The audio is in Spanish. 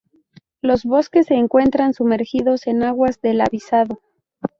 Los bosques se encuentran sumergidos en aguas del Avisado.